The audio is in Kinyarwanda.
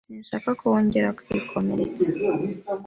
Sinshaka ko wongera kwikomeretsa.